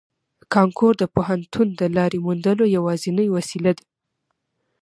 کانکور د پوهنتون د لارې موندلو یوازینۍ وسیله ده